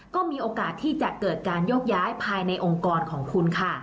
ก็มีโอกาสที่จะเกิดการโยกย้ายภายในองค์กรของคุณค่ะ